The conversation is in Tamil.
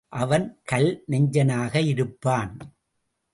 அவன் கல்நெஞ்சனாக இருப்பான்.